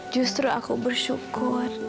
justru aku bersyukur